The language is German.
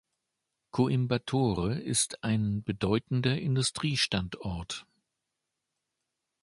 Coimbatore ist ein bedeutender Industriestandort.